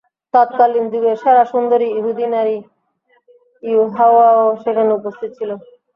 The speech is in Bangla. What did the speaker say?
তৎকালীন যুগের সেরা সুন্দরী ইহুদী নারী ইউহাওয়াও সেখানে উপস্থিত ছিল।